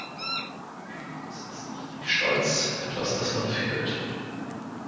Hybris ist nicht wie Stolz etwas, das man fühlt.